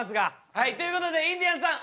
はいということでインディアンスさん